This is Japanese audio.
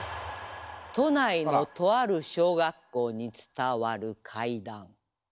都内のとある小学校に伝わる怪談。